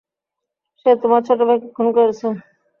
সে তোমার ছোট ভাইকে খুন করেছে।